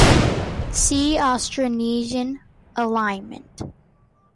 See Austronesian alignment.